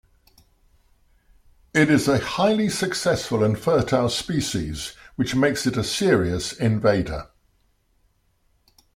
It is a highly successful and fertile species, which makes it a serious invader.